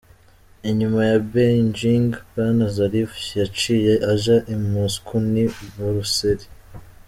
Inyuma ya Beijing, Bwana Zarif yaciye aja i Moscou n'i Buruseli.